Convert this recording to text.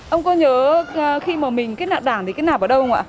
ông có nhớ khi mà mình kết nạp đảng thì kết nạp ở đâu không ạ